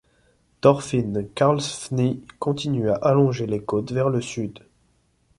Thorfinn Karlsefni continua à longer les côtes vers le Sud.